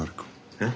えっ？